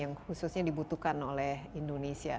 yang khususnya dibutuhkan oleh indonesia